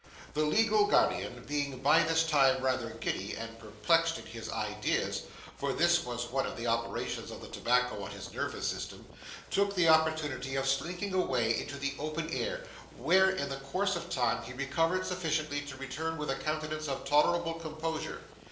The legal gentleman being by this time rather giddy and perplexed in his ideas (for this was one of the operations of the tobacco on his nervous system), took the opportunity of slinking away into the open air, where, in course of time, he recovered sufficiently to return with a countenance of tolerable composure.